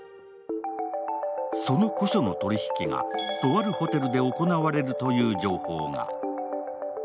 その古書の取り引きが、とあるホテルで行われるという情報が。